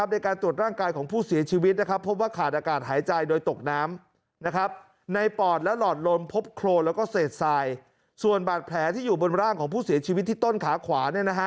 แล้วก็เศษทรายส่วนบาดแผลที่อยู่บนร่างของผู้เสียชีวิตที่ต้นขาขวา